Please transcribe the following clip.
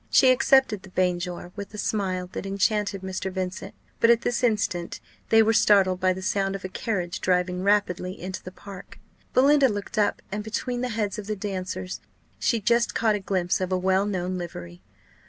She accepted the banjore with a smile that enchanted Mr. Vincent; but at this instant they were startled by the sound of a carriage driving rapidly into the park. Belinda looked up, and between the heads of the dancers she just caught a glimpse of a well known livery.